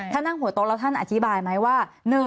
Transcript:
นั่งหัวโต๊ะแล้วท่านอธิบายไหมว่า